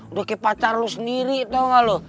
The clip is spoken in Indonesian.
udah kayak pacar lu sendiri tau gak lu